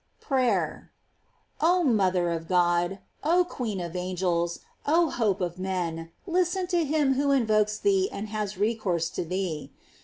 PRAYER. Oh mother of God! oh queen of angels! oh hope of men! listen to him who invokes thee and haa recourse to thee.